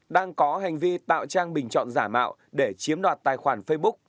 đang có hành vi tạo trang bình chọn giả mạo để chiếm đoạt tài khoản facebook